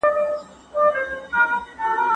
زه موسيقي نه اورم؟